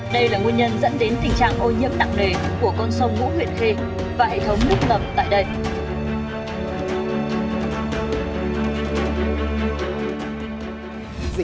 đây là nguyên nhân dẫn đến tình trạng ô nhiễm đặng nề của con sông vũ